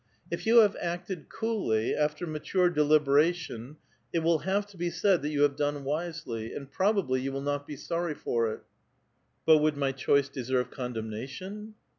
"*' If vou have acted coollv, after mature deliberation, it will have to be said that you have done wisdy, and probably you will not be sorr^' for it." '^ But would my choice deserve condemnation?"